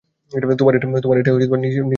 তোমার বাবা এটা নিজ হাতে ঠিক করেছে।